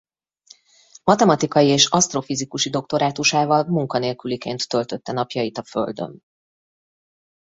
Matematikai és asztrofizikusi doktorátusával munkanélküliként töltötte napjait a Földön.